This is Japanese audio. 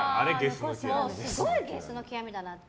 すごいゲスの極みだなって。